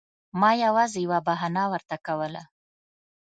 ما یوازې یوه بهانه ورته کوله.